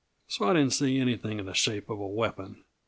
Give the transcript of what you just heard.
So I didn't see anything in the shape of a weapon.